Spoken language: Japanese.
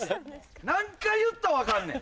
何回言ったら分かんねん！